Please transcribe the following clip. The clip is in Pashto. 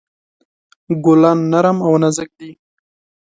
ګلان نرم او نازک دي.